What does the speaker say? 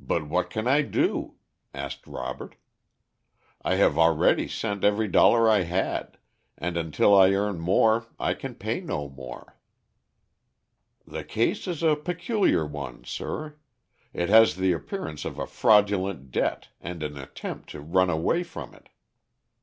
"But what can I do?" asked Robert. "I have already sent every dollar I had, and until I earn more I can pay no more." "The case is a peculiar one, sir. It has the appearance of a fraudulent debt and an attempt to run away from it.